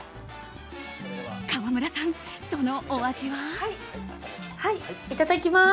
川村さん、そのお味は？